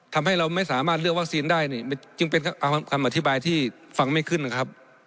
ทำให้เราไม่สามารถเลือกวัคซีนได้นี่จึงเป็นคำอธิบายที่ฟังไม่ขึ้นนะครับ